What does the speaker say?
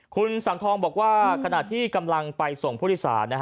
คุณสังธองบอกว่าขณะที่กำลังไปส่งพุทธศาสตร์